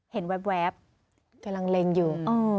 แวบกำลังเล็งอยู่